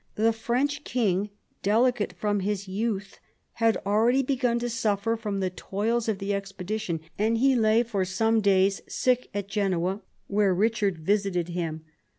The French king, delicate from his youth, had already begun to suffer from the toils of the expedition, and he lay for some days sick at Genoa, where Eichard visited him.